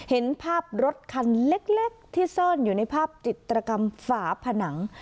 เห็นภาพรถคันเล็กที่ซ่อนอยู่ในภาพจิตรกรรมฝาผนัง